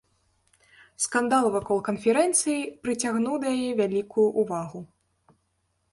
Скандал вакол канферэнцыі прыцягнуў да яе вялікую ўвагу.